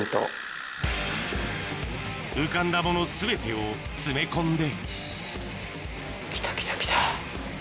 浮かんだもの全てを詰め込んで来た来た来た。